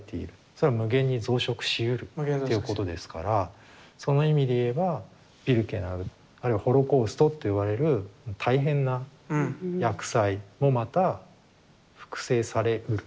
それは無限に増殖しうるということですからその意味で言えばビルケナウあるいはホロコーストっていわれる大変な厄災もまた複製されうる。